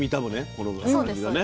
この感じがね。